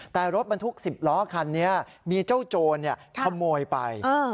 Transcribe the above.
แต่รถบรรทุกสิบล้อคันเนี้ยมีเจ้าโจรเนี้ยขโมยไปเออ